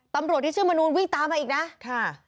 ตำรวจที่ชื่อมนูลวิ่งตามมาอีกนะค่ะ